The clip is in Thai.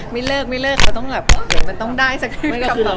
ไม่เลิกเดี๋ยวมันต้องได้สักครู่